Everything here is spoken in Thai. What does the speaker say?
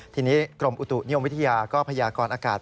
ทีนี้กรมอุตุนิยมวิทยาก็พยากรอากาศ